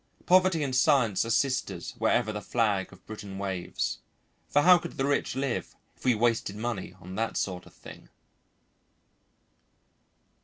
Poverty and science are sisters wherever the flag of Britain waves; for how could the rich live if we wasted money on that sort of thing?